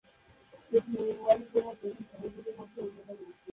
এটি মিয়ানওয়ালী জেলার প্রধান শহরগুলির মধ্যে অন্যতম একটি।